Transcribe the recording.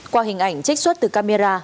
qua hình ảnh trích xuất từ camera